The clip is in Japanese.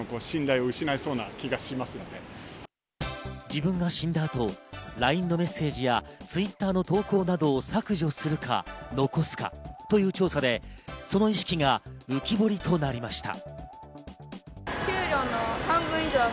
自分が死んだ後、ＬＩＮＥのメッセージやＴｗｉｔｔｅｒの投稿などを削除するか、遺すかという調査で、その意識が浮き彫りとなりました。